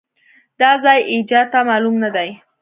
دا ځای ايچاته مالوم ندی.